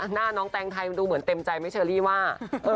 หน้าน้องแต่งไทยดูเหมือนเต็มใจไม่เชิลลี่ว่า